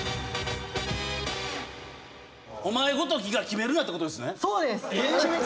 お前ごときが決めるなってことですね。